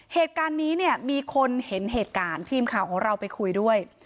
เหตุการณ์นี้เนี่ยมีคนเห็นเหตุการณ์ทีมข่าวของเราไปคุยด้วย